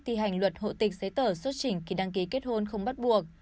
thi hành luật hộ tịch giấy tở xuất chỉnh khi đăng ký kết hôn không bắt buộc